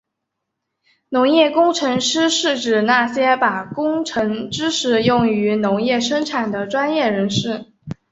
农业工程师是指那些把工程知识用于农业生产的专业人士。